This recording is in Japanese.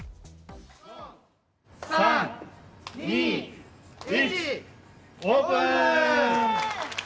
３、２、１、オープン。